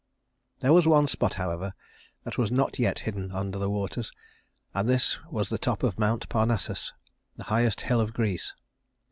There was one spot, however, that was not yet hidden under the waters, and this was the top of Mount Parnassus, the highest hill of Greece.